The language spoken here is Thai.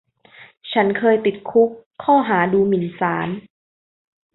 ฉันเคยติดคุกข้อหาดูหมิ่นศาล